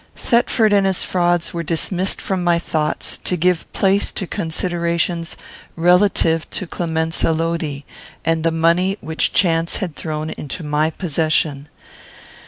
Thetford and his frauds were dismissed from my thoughts, to give place to considerations relative to Clemenza Lodi, and the money which chance had thrown into my possession.